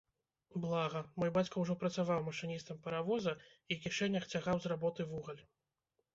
Блага, мой бацька ўжо працаваў машыністам паравоза і кішэнях цягаў з работы вугаль.